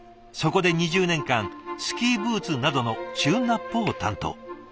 そこで２０年間スキーブーツなどのチューンナップを担当。